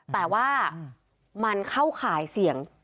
แต่ว่ามันเข้าข่ายเสี่ยง